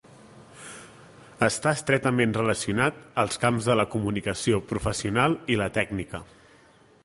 Està estretament relacionat als camps de la comunicació professional i la tècnica.